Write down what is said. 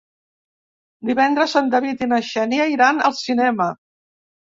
Divendres en David i na Xènia iran al cinema.